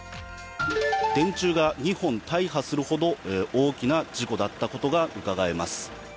電柱が２本体はするほど大きな事故だったことがうかがえます。